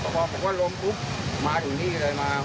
พอบอกว่าลมตุ๊กมาจุดนี้เลยมา